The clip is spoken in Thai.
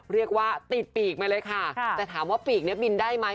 เรียกว่าติดปีกมาเลยค่ะแต่ถามว่าปีกนี้บินได้ไหม